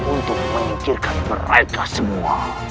untuk mereka semua